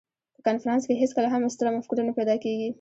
په کنفرانس کې هېڅکله هم ستره مفکوره نه پیدا کېږي.